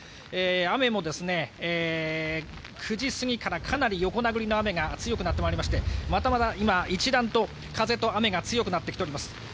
雨も９時過ぎからかなり横殴りの雨が強くなってまいりましてまたまた今、一段と風と雨が強くなってきています。